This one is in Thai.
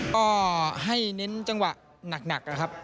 ก็ให้เน้นจังหวะหนักนะครับ